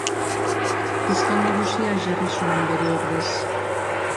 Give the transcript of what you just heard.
Fiskal nagusia jarri zuen bere ordez.